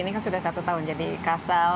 ini kan sudah satu tahun jadi kasal